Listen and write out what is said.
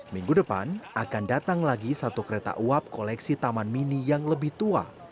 minggu depan akan datang lagi satu kereta uap koleksi taman mini yang lebih tua